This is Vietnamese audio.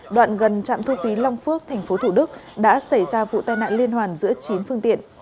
đoạn gần trạm thu phí long phước tp thủ đức đã xảy ra vụ tai nạn liên hoàn giữa chín phương tiện